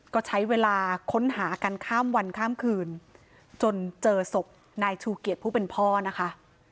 ก็ใช้เวลาค้นหากันข้ามวันข้ามคืนจนเจอศพนายชูเกียจผู้เป็นพ่อนะคะ